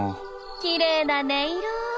きれいな音色。